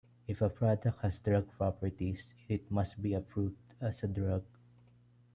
If a product has drug properties, it must be approved as a drug.